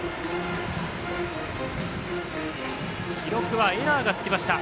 記録はエラーがつきました。